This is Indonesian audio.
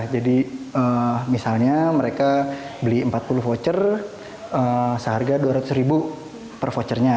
jadi misalnya mereka beli empat puluh voucher seharga dua ratus ribu per vouchernya